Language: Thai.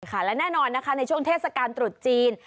และแน่นอนนะคะในช่วงเทศกาลตรุษจีน